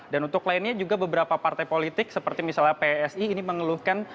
dan untuk lainnya juga beberapa partai politik seperti misalnya psi ini mengeluhkan